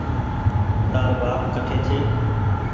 تآر ٻآپ ڪٺي ڇي